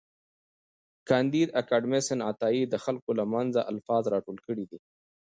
کانديد اکاډميسن عطايي د خلکو له منځه الفاظ راټول کړي دي.